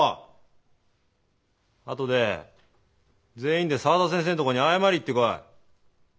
あとで全員で沢田先生のとこに謝りに行ってこい。